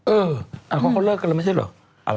เออเขาเลิกกันแล้วไม่ใช่เหรอ